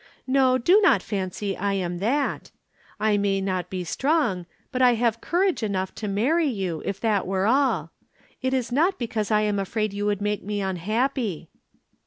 No, do not fancy I am that. I may not be strong, but I have courage enough to marry you if that were all. It is not because I am afraid you would make me unhappy."